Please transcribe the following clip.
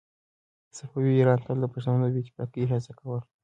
صفوي ایران تل د پښتنو د بې اتفاقۍ هڅه کوله.